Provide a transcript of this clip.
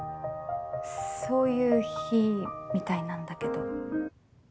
そういう日みたいなんだけど。